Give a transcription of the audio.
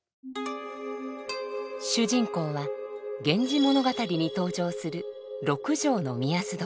主人公は「源氏物語」に登場する六条御息所。